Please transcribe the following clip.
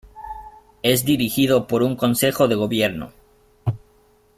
Es dirigido por un Consejo de Gobierno.